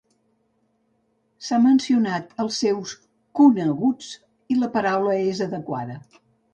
S'ha mencionat els seus "coneguts" i la paraula és adequada.